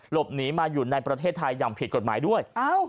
หลบหนีมาอยู่ในประเทศไทยอย่างผิดกฎหมายด้วย